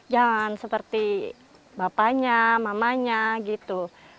jangan seperti bapaknya mamanya gitu